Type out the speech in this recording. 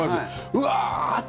うわー！って